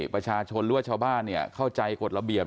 ประชาชนหรือว่าชาวบ้านเข้าใจกฎระเบียบ